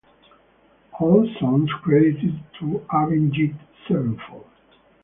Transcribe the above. All songs credited to Avenged Sevenfold.